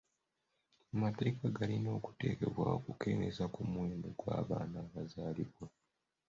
Amateeka galina okuteekebwawo okukendeeza ku muwendo gw'abaana abazaalibwa.